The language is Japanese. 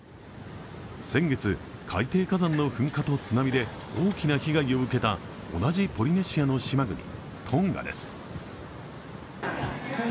先月、海底火山の噴火と津波で大きな被害を受けた同じポリネシアの島国トンガです。